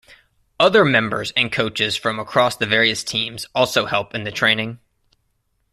Other members and coaches from across the various teams also help in the training.